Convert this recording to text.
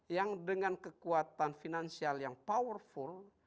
yang dengan kekuatan finansial yang powerful